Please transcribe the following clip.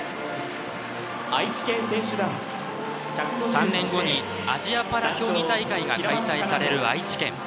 ３年後にアジアパラ競技大会が開催される愛知県。